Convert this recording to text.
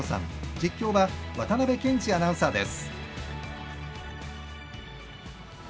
実況は渡辺憲司アナウンサーです。